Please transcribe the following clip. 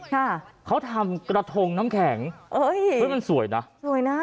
ค่ะเขาทำกระทงน้ำแข็งเอ้ยเฮ้ยมันสวยนะสวยนะ